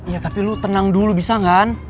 ya tapi lu tenang dulu bisa gak kan